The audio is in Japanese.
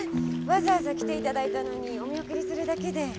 わざわざ来て頂いたのにお見送りするだけで。